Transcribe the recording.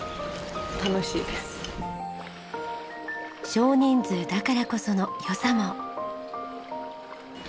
少人数だからこその良さも。